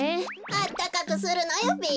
あったかくするのよべ。